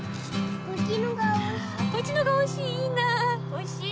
おいしい？